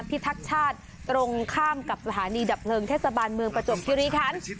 ทักษ์ชาติตรงข้ามกับสถานีดับเพลิงเทศบาลเมืองประจวบคิริคัน